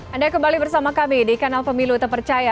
anda kembali bersama kami di kanal pemilu terpercaya